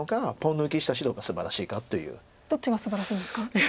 どっちがすばらしいんですか？